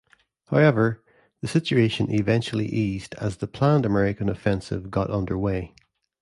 However, the situation eventually eased as the planned American offensive got underway.